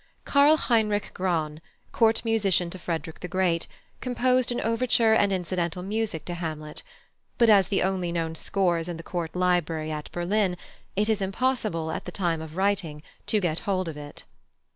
+Karl Heinrich Graun+, Court musician to Frederick the Great, composed an overture and incidental music to Hamlet; but as the only known score is in the Court Library at Berlin, it is impossible, at the time of writing, to get hold of it.